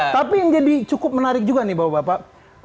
tapi yang jadi cukup menarik juga nih bapak bapak